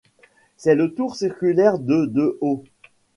C'est une tour circulaire de de haut.